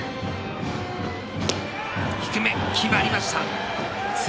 低め、決まりました。